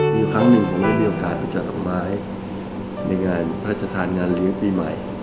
มีครั้งหนึ่งผมได้มีโอกาสมาจากหลังไม้ในงานพัฒนธานงานรีวปีใหม่